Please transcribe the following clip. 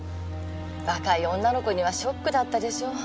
若い女の子にはショックだったでしょう。